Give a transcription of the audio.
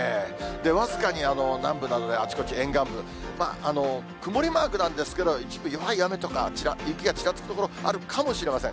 僅かに南部などではあちこち沿岸部、曇りマークなんですけど、一部弱い雨とか、雪がちらつく所、あるかもしれません。